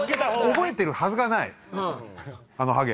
覚えてるはずがないあのハゲ。